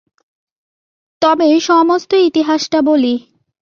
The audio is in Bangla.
তবে সমস্ত ইতিহাসটা বলি।